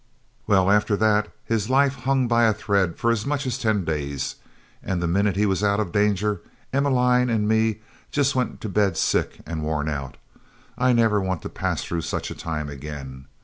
Well after that his life hung by a thread for as much as ten days, and the minute he was out of danger Emmeline and me just went to bed sick and worn out. I never want to pass through such a time again.